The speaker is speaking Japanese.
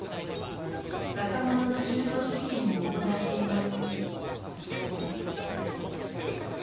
若者の就労支援を行っています。